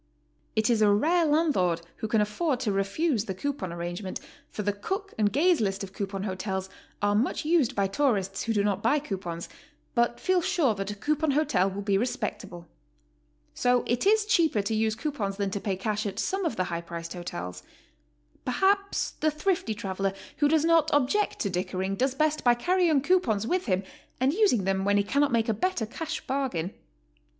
It is a rare landlord who can afford to refuse the coupon arrangement, for the Cook and Gaze list of coupon hotels are much used by tourists who do not buy coupons, but feel sure that a coupon hotel will be respectable. So it is cheaper to use coupons than to pay cash at some of the high priced hotels. Perhaps the thrifty traveler who does not object to dickering does best by carrying coupons with him and using them when he cannot make a better cash bargain.